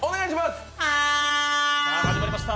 さぁ、始まりました。